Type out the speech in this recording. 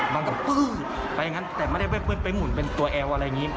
มันก็ปื๊ดไปอย่างนั้นแต่ไม่ได้ไปหมุนเป็นตัวแอลอะไรอย่างนี้